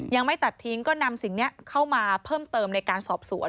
ยังไม่ตัดทิ้งก็นำสิ่งนี้เข้ามาเพิ่มเติมในการสอบสวน